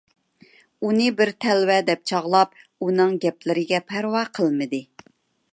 ئۇنى بىر تەلۋە دەپ چاغلاپ، ئۇنىڭ گەپلىرىگە پەرۋا قىلمىدى.